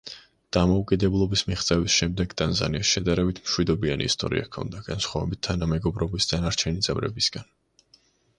დამოუკიდებლობის მიღწევის შემდეგ ტანზანიას შედარებით მშვიდობიანი ისტორია ჰქონდა, განსხავებით თანამეგობრობის დანარჩენი წევრებისგან.